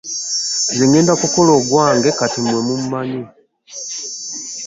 Nze ŋŋenda kukola ogwange kati mmwe mumanyi.